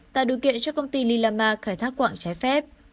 tạo đối kiện cho công ty lila ma khai thác quạng trái phép